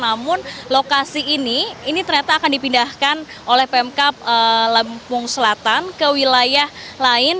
namun lokasi ini ini ternyata akan dipindahkan oleh pemkap lampung selatan ke wilayah lain